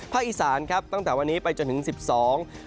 ภาคอีสานตั้งแต่วันนี้ไปจนถึง๑๒องศาเซียต